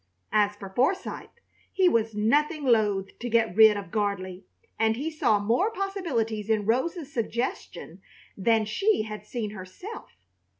As for Forsythe, he was nothing loath to get rid of Gardley, and he saw more possibilities in Rosa's suggestion than she had seen herself.